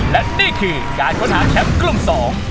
และนี่คือการค้นหาแชมป์กลุ่มสอง